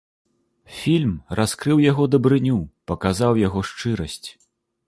Фільм раскрыў яго дабрыню, паказаў яго шчырасць.